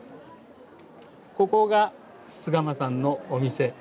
ここが洲鎌さんのお店。